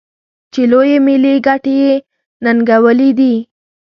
چې لویې ملي ګټې یې ننګولي دي.